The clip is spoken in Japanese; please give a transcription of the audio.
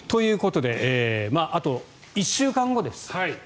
あと１週間後です。